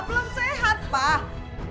belum sehat pak